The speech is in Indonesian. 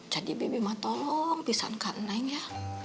jadi bibi mah tolong pisahkan neng ya